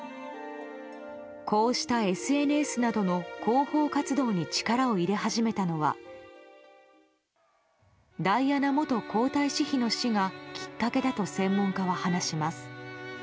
こうしたＳＮＳなどの広報活動に力を入れ始めたのはダイアナ元皇太子妃の死がきっかけだと専門家は話します。